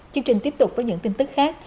chương trình tiếp tục với những tin tức khác